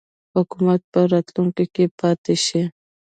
حکومت په راتلونکي کې پاته شي.